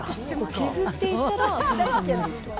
削っていったら富士山になるとか？